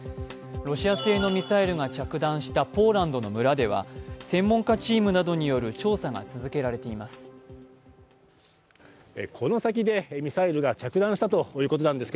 ロシア製のミサイルが着弾したポーランドの村では専門家チームなどによる調査が続けられています。